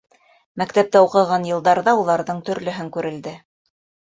Мәктәптә уҡыған йылдарҙа уларҙың төрлөһөн күрелде.